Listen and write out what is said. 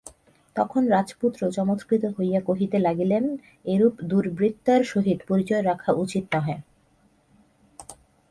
তখন রাজপুত্র চমৎকৃত হইয়া কহিতে লাগিলেন এরূপ দুর্বৃত্তার সহিত পরিচয় রাখা উচিত নহে।